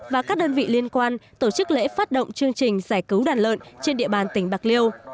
và các đơn vị liên quan tổ chức lễ phát động chương trình giải cứu đàn lợn trên địa bàn tỉnh bạc liêu